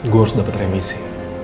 saya harus dapat remisi